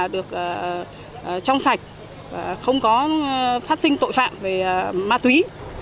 được trong sạch không có phát sinh tội phạm về ma túy